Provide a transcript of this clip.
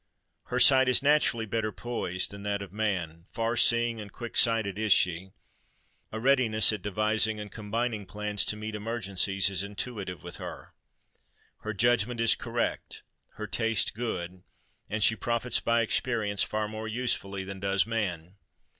Her mind is naturally better poised than that of man: far seeing and quick sighted is she;—a readiness at devising and combining plans to meet emergencies, is intuitive with her. Her judgment is correct—her taste good;—and she profits by experience far more usefully than does man.